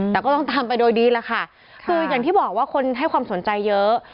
แต่ก็ต้องตามไปโดยดีแหละค่ะคืออย่างที่บอกว่าคนให้ความสนใจเยอะ